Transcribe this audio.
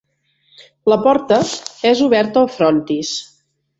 La porta és oberta al frontis.